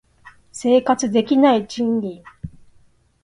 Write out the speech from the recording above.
生活できない賃金